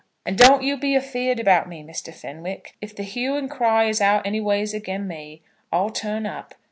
"And don't you be afeared about me, Mr. Fenwick. If the hue and cry is out anyways again me, I'll turn up.